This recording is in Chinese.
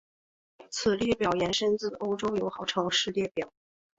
此列表延伸自欧洲友好城市列表。